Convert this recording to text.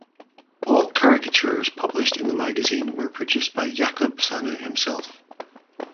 All caricatures published in the magazine were produced by Yaqub Sanu himself.